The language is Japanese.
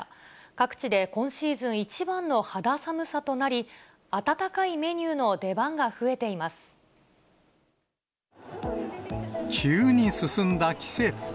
各地で今シーズン一番の肌寒さとなり、温かいメニューの出番が増急に進んだ季節。